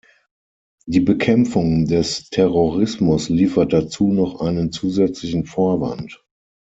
Die Bekämpfung des Terrorismus liefert dazu noch einen zusätzlichen Vorwand.